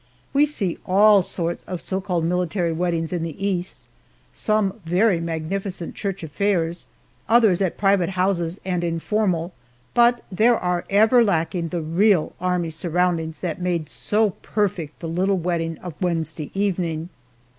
We see all sorts of so called military weddings in the East some very magnificent church affairs, others at private houses, and informal, but there are ever lacking the real army surroundings that made so perfect the little wedding of Wednesday evening.